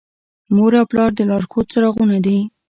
مور او پلار د لارښود څراغونه دي.